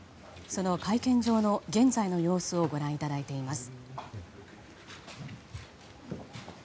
その会見場の現在の様子をご覧いただいています。